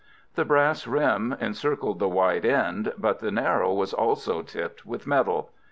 The brass rim encircled the wide end, but the narrow was also tipped with metal.